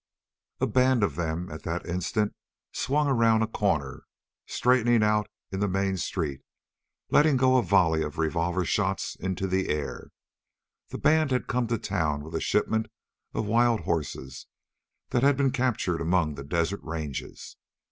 A band of them at that instant swung around a corner, straightening out in the main street, letting go a volley of revolver shots into the air. The band had come to town with a shipment of wild horses that had been captured among the desert ranges.